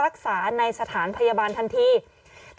กล้องกว้างอย่างเดียว